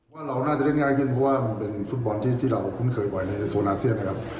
ว่าเราน่าจะเล่นง่ายขึ้นเพราะว่ามันเป็นฟุตบอลที่เราคุ้นเคยบ่อยในโซนอาเซียนนะครับ